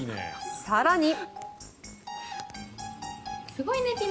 更に。